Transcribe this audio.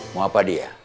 mau apa dia